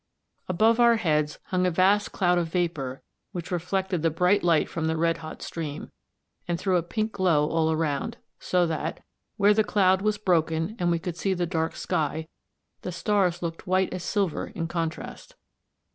Above our heads hung a vast cloud of vapour which reflected the bright light from the red hot stream, and threw a pink glow all around, so that, where the cloud was broken and we could see the dark sky, the stars looked white as silver in contrast.